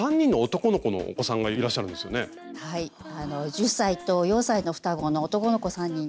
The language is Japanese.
１０歳と４歳の双子の男の子３人です。